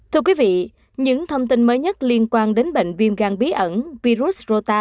thưa quý vị những thông tin mới nhất liên quan đến bệnh viêm gan bí ẩn virus rota